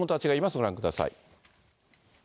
ご覧ください。